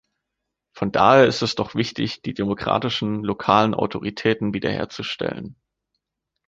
Von daher ist es doch wichtig, die demokratischen lokalen Autoritäten wiederherzustellen.